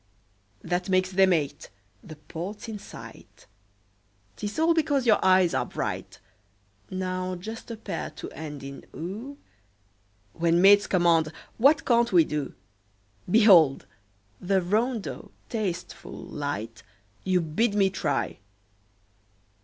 That makes them eight. The port's in sight 'Tis all because your eyes are bright! Now just a pair to end in "oo" When maids command, what can't we do? Behold! the rondeau, tasteful, light, You bid me try!